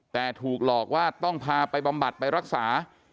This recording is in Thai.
แต่ถูกหลอกว่าต้องพาไปบำบัดไปรักษา